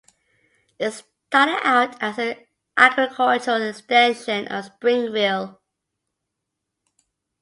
It started out as an agricultural extension of Springville.